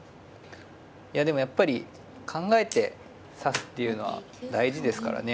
いやでもやっぱり考えて指すっていうのは大事ですからね。